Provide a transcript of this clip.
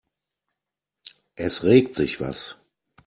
Es regt sich was.